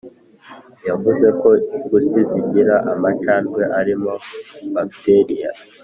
yavuze ko ipusi zigira amacandwe arimo bacteria